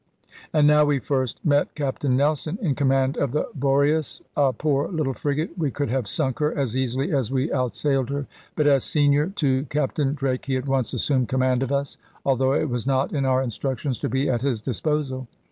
And now we first met Captain Nelson in command of the Boreas, a poor little frigate; we could have sunk her as easily as we outsailed her. But as senior to Captain Drake, he at once assumed command of us; although it was not in our instructions to be at his disposal.